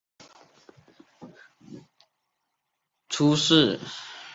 以荫叙出仕的直长等历任。